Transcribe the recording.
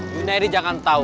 dunia ini jangan tahu